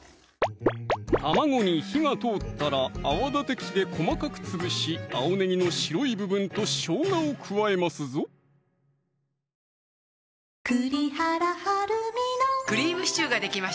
卵に火が通ったら泡立て器で細かく潰し青ねぎの白い部分としょうがを加えますぞでは水溶きの片栗粉がありますのでいいですか？